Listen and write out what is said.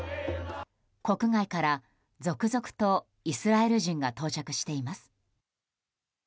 国外から続々とイスラエル人が到着しています。